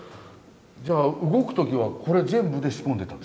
じゃあ動く時はこれ全部で仕込んでた？